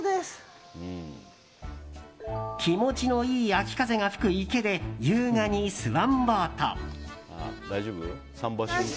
気持ちのいい秋風が吹く池で優雅にスワンボート。